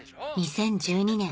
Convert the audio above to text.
２０１２年